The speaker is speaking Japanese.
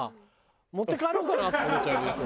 持って帰ろうかなとか思っちゃうんだよ